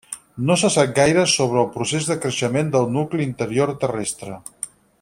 No se sap gaire sobre el procés de creixement del nucli interior terrestre.